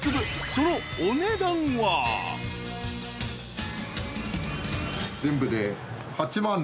そのお値段は］全部で。